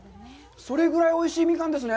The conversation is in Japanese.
それぐらいおいしいミカンですね。